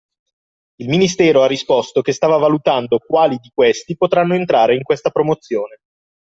Il ministero ha risposto che stava valutando quali di questi potranno entrare in questa promozione